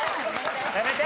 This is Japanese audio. やめて！